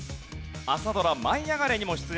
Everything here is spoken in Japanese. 朝ドラ『舞いあがれ！』にも出演。